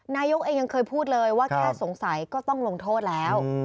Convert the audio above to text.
นายกเองยังเคยพูดเลยว่าแค่สงสัยก็ต้องลงโทษแล้ว